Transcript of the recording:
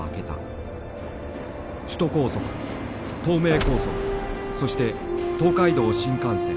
首都高速東名高速そして東海道新幹線。